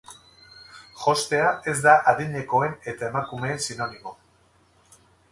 Jostea ez da adinekoen eta emakumeen sinonimo.